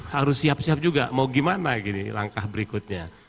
harus siap siap juga mau gimana langkah berikutnya